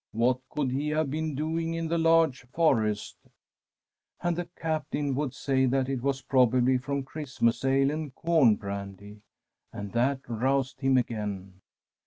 ' What could he have been doing in the large forest ?' And the Captain would say that it was probably from Christmas ale and corn brandy. And that roused him again.